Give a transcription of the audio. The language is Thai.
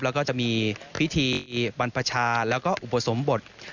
แล้วก็จะมีพิธีบรรพชาแล้วก็อุปสมบท